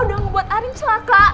lo udah ngebuat arin celaka